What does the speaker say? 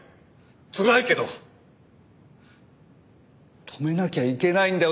つらいけど止めなきゃいけないんだよ